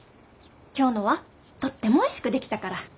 今日のはとってもおいしく出来たから。